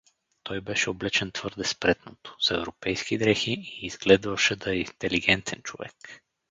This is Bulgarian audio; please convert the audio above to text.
Той беше облечен твърде спретнато, с европейски дрехи, и изгледваше да е интелигентен човек.